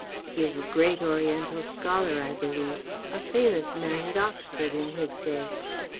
He is a great Oriental scholar, I believe. A famous man at Oxford, in his day.